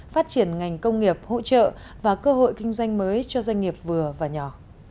phát triển ngành công nghiệp hỗ trợ và cơ hội kinh doanh mới cho doanh nghiệp vừa và nhỏ